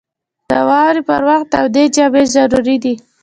• د واورې پر وخت تودې جامې ضروري دي.